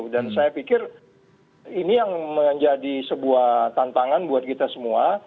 dan saya pikir ini yang menjadi sebuah tantangan buat kita semua